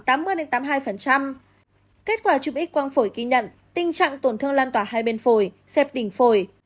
kết quả chụp x quang phổi ghi nhận tình trạng tổn thương lan tỏa hai bên phổi xẹp đỉnh phổi